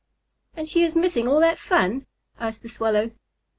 "And she is missing all that fun?" said the Swallow.